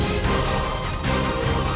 aku mau kesana